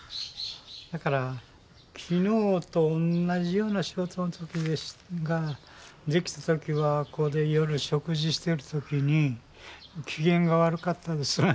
だから昨日と同じような仕事ができた時はここで夜食事している時に機嫌が悪かったですね。